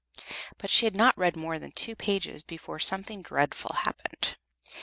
But she had not read more than two pages before something dreadful happened.